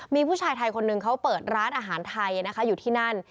มีผู้ชายไทยคนหนึ่งเขาเปิดร้านอาหารไทยนะคะอยู่ที่นั่น